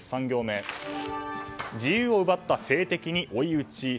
３行目自由を奪った政敵に追い打ち。